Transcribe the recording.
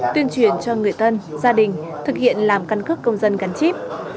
tuyên truyền cho người thân gia đình thực hiện làm căn cước công dân gắn chip